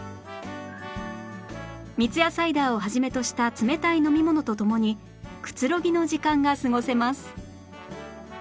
三ツ矢サイダーをはじめとした冷たい飲み物と共にくつろぎの時間が過ごせます